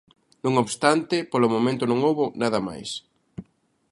Non obstante, polo momento non houbo nada máis.